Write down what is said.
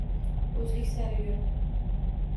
O‘zlik sari yo‘l